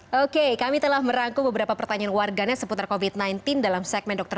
hai oke kami telah merangkum beberapa pertanyaan warganya seputar kopit sembilan belas dalam segmen dokter